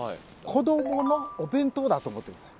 子どものお弁当だと思って下さい。